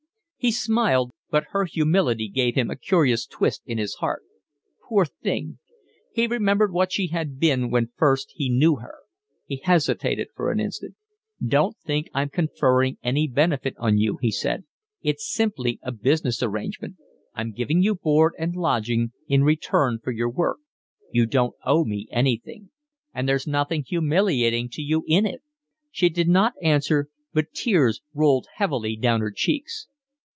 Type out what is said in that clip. He smiled, but her humility gave him a curious twist in his heart. Poor thing! He remembered what she had been when first he knew her. He hesitated for an instant. "Don't think I'm conferring any benefit on you," he said. "It's simply a business arrangement, I'm giving you board and lodging in return for your work. You don't owe me anything. And there's nothing humiliating to you in it." She did not answer, but tears rolled heavily down her cheeks.